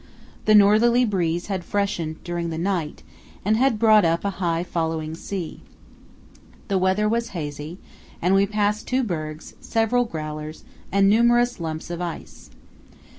The northerly breeze had freshened during the night and had brought up a high following sea. The weather was hazy, and we passed two bergs, several growlers, and numerous lumps of ice.